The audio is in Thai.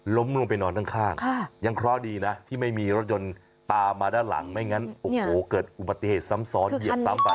ลงไปนอนข้างยังเคราะห์ดีนะที่ไม่มีรถยนต์ตามมาด้านหลังไม่งั้นโอ้โหเกิดอุบัติเหตุซ้ำซ้อนเหยียบซ้ำไป